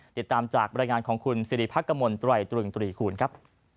ติดตามจากบรรยายงานของคุณสิริพักกมลตรายตรึงตรีคูณครับ